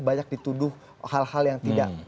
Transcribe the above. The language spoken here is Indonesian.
banyak dituduh hal hal yang tidak